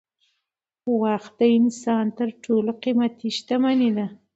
وخت د انسان تر ټولو قيمتي شتمني ده.